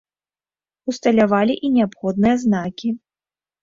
Усталявалі і неабходныя знакі.